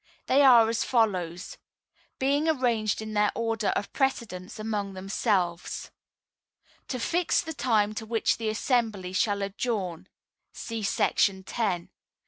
They are as follows (being arranged in their order of precedence among themselves): To Fix the Time to which the Assembly shall Adjourn …… See § 10.